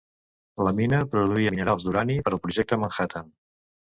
La mina produïa minerals d'urani per al Projecte Manhattan.